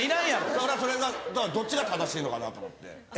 だからそれどっちが正しいのかなと思って。